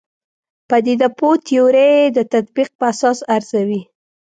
پدیده پوه تیورۍ د تطبیق په اساس ارزوي.